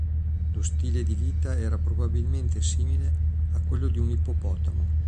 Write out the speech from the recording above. Lo stile di vita era probabilmente simile a quello di un ippopotamo.